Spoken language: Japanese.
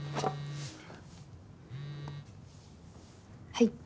はい。